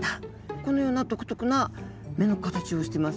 このような独特な目の形をしてます。